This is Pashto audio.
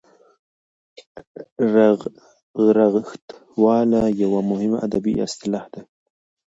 رغښتواله یوه مهمه ادبي اصطلاح ده.